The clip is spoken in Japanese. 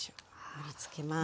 盛りつけます。